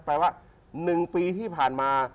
แปลว่า๑ปีที่ผ่านมา